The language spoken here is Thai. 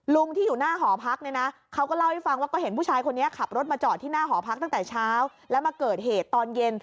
ลุงที่อยู่หน้าหอพักเนี่ยนะเขาก็เล่าให้ฟังว่าก็เห็นผู้ชายคนนี้ขับรถมาจอดที่หน้าหอพักตั้งแต่เช้าแล้วมาเกิดเหตุตอนเย็น